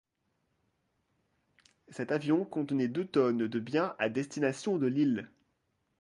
Cet avion contenait deux tonnes de biens à destination de l'île.